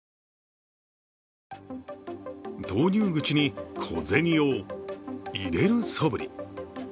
投入口に小銭を入れるそぶり。